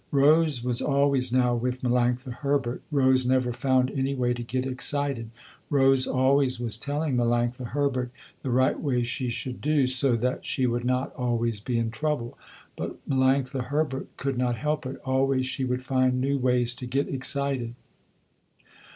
Rose was always now with Melanctha Herbert. Rose never found any way to get excited. Rose always was telling Melanctha Herbert the right way she should do, so that she would not always be in trouble. But Melanctha Herbert could not help it, always she would find new ways to get excited.